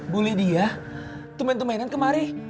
bu lydia tumen tumenan kemari